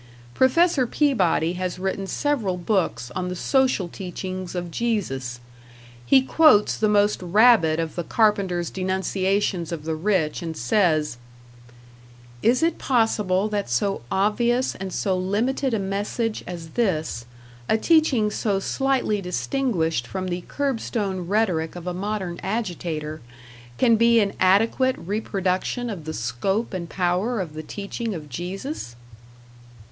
Prof. Peabody has written several books on the social teachings of Jesus; he quotes the most rabid of the carpenter's denunciations of the rich, and says: Is it possible that so obvious and so limited a message as this, a teaching so slightly distinguished from the curbstone rhetoric of a modern agitator, can be an adequate reproduction of the scope and power of the teaching of Jesus?